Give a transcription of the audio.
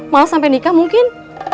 males sampai nikah mungkin